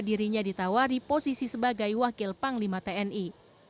dirinya ditawari posisi sebagai wakil panglima tni